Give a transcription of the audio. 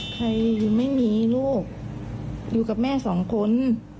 ยังไม่มีลูกอยู่กับแม่สองคน